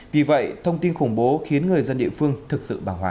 vì vậy thông tin khủng bố khiến người dân địa phương thực sự bảo hóa